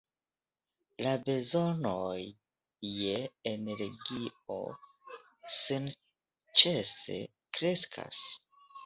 La bezonoj je energio senĉese kreskas.